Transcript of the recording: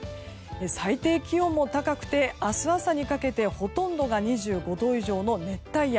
最低気温も高くて明日朝にかけてほとんどが２５度以上の熱帯夜。